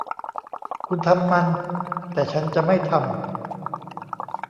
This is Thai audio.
คุณทำมัน แต่ฉันจะไม่ทำ